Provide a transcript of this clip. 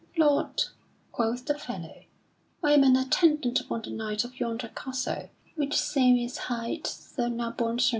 "Lord," quoth the fellow, "I am an attendant upon the knight of yonder castle, which same is hight Sir Nabon surnamed le Noir."